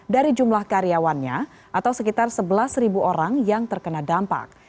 dari jumlah karyawannya atau sekitar sebelas orang yang terkena dampak